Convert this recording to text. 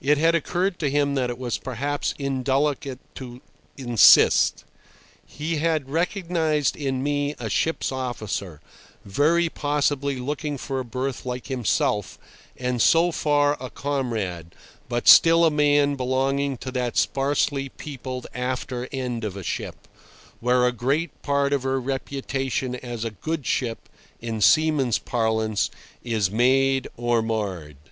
It had occurred to him that it was perhaps indelicate to insist. He had recognised in me a ship's officer, very possibly looking for a berth like himself, and so far a comrade, but still a man belonging to that sparsely peopled after end of a ship, where a great part of her reputation as a "good ship," in seaman's parlance, is made or marred.